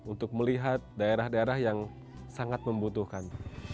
untuk melihat daerah daerah yang sangat membutuhkan